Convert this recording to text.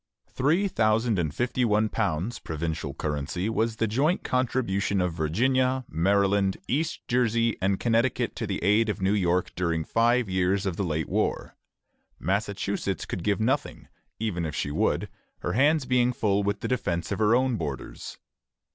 Three thousand and fifty one pounds, provincial currency, was the joint contribution of Virginia, Maryland, East Jersey, and Connecticut to the aid of New York during five years of the late war. Massachusetts could give nothing, even if she would, her hands being full with the defence of her own borders.